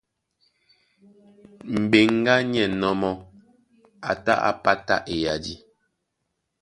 Mbeŋgá ní ɛ̂nnɔ́ mɔ́, e tá é pátá eyadí.